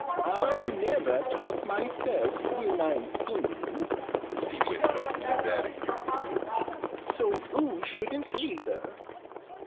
"I never talk myself when I'm singing," he went on very gravely: "so oo shouldn't either."